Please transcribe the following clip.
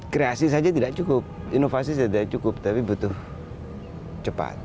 kreasi saja tidak cukup inovasi tidak cukup tapi butuh cepat